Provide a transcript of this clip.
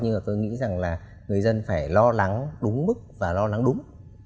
nhưng mà tôi nghĩ rằng là người dân phải lo lắng đúng mức và lo lắng đúng